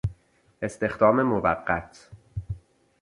استخدام موقت